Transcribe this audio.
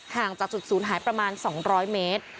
ห่างจากจุดศูนย์หายประมาณ๒๐๐เมตร